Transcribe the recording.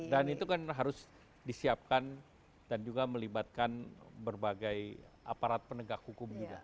itu kan harus disiapkan dan juga melibatkan berbagai aparat penegak hukum juga